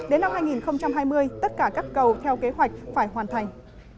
đến năm hai nghìn hai mươi tất cả các cầu theo kế hoạch phải hoàn thành